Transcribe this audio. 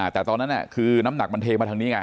แต่ตอนนั้นคือน้ำหนักมันเทมาทางนี้ไง